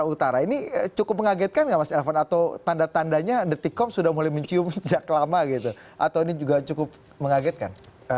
utara ini cukup mengagetkan nggak mas elvan atau tanda tandanya detikom sudah mulai mencium sejak lama gitu atau ini juga cukup mengagetkan